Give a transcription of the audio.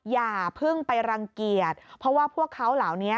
อย่าเพิ่งไปรังเกียจเพราะว่าพวกเขาเหล่านี้